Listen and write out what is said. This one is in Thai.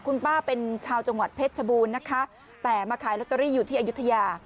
คุณป้าเป็นชาวจังหวัดเพชรชบูรณ์นะคะแต่มาขายลอตเตอรี่อยู่ที่อายุทยา